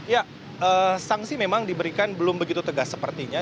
ya sanksi memang diberikan belum begitu tegas sepertinya